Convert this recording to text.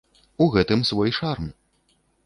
У гэтым свой шарм.